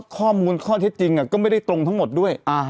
ข้อมูลข้อเท็จจริงก็ไม่ได้ตรงทั้งหมดด้วย